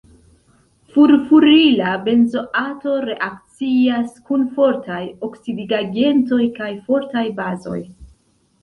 Furfurila benzoato reakcias kun fortaj oksidigagentoj kaj fortaj bazoj.